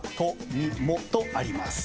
「み」「も」とあります。